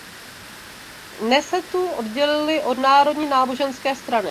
Knesetu oddělili od Národní náboženské strany.